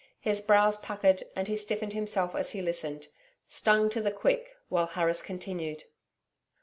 His brows puckered, and he stiffened himself as he listened, strung to the quick, while Harris continued.